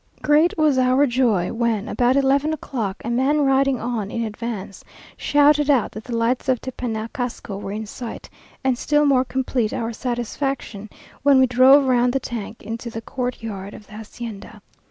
Great was our joy, when, about eleven o'clock, a man riding on in advance shouted out that the lights of Tepenacasco were in sight; and still more complete our satisfaction when we drove round the tank into the courtyard of the hacienda.